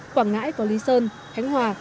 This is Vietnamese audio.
quảng ngãi có lý sơn khánh hòa